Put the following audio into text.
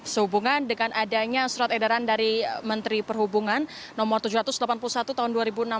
sehubungan dengan adanya surat edaran dari menteri perhubungan no tujuh ratus delapan puluh satu tahun dua ribu enam belas